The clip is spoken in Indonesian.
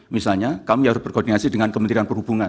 misalnya kami harus berkoordinasi dengan kementerian perhubungan